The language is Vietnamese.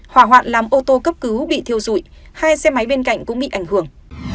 hỏa hoạn làm ô tô cấp cứu bị thiêu dụi hai xe máy bên cạnh cũng bị ảnh hưởng